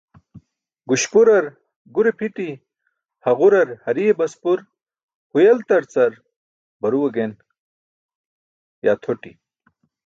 Guśpurar gure phiṭi, haġurar hariye baspur, huyeltarcar barue gen/tʰoti